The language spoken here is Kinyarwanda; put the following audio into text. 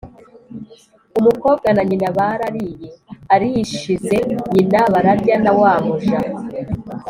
umukobwa na nyina barariye, arishije nyina bararya na wa muja.